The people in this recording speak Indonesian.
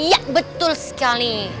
iya betul sekali